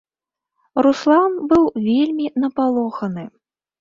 Руслан быў вельмі напалоханы.